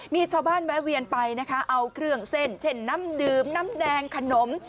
มีชาวบ้านแวะเวียนไปนะคะเอาเครื่องเส้นเช่นน้ำดื่มน้ำแดงขนม